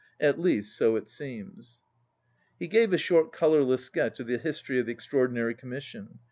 At least so it seems." He gave a short colourless sketch of the history of the Extraordinary Commission.